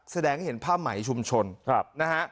แสดงให้เห็นภาพไหมชุมชนนะฮะ